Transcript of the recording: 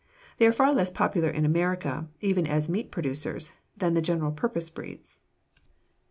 They are far less popular in America, even as meat producers, than the general purpose breeds.